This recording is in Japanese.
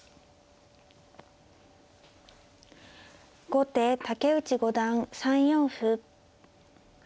後手竹内五段３四歩。